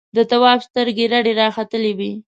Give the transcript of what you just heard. د تواب سترګې رډې راختلې وې.